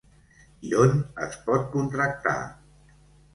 I on es pot contractar?